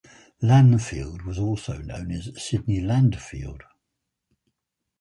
Lanfield was also known as Sidney Landfield.